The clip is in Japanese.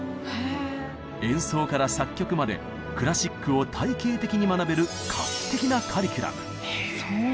演奏から作曲までクラシックを体系的に学べる画期的なカリキュラム。